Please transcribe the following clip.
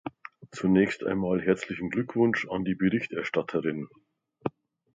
Zunächst einmal herzlichen Glückwunsch an die Berichterstatterin.